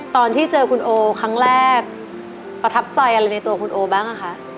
ตอนที่เจอคุณโอครั้งแรกประทับใจอะไรในตัวคุณโอบ้างคะ